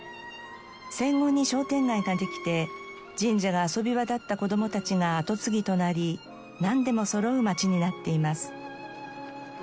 戦後に商店街ができて神社が遊び場だった子供たちが後継ぎとなりなんでもそろう街になっています。